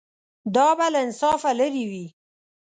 دا به له انصافه لرې وي.